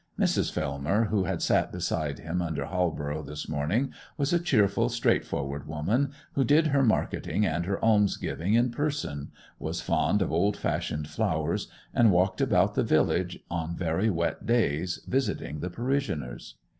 Mrs. Fellmer, who had sat beside him under Halborough this morning, was a cheerful, straightforward woman, who did her marketing and her alms giving in person, was fond of old fashioned flowers, and walked about the village on very wet days visiting the parishioners.